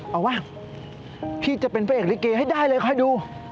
เอาว่าพี่จะเป็นผู้เอกเล็กเกย์ให้ได้เลยค่ะดู